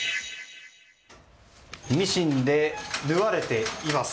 ミシンで縫われています。